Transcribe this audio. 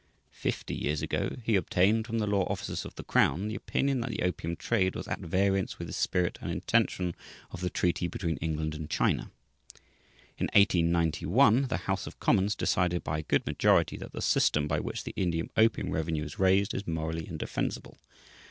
Fifty years ago he obtained from the Law Officers of the Crown the opinion that the opium trade was "at variance" with the "spirit and intention" of the treaty between England and China. In 1891, the House of Commons decided by a good majority that "the system by which the Indian opium revenue is raised is morally indefensible."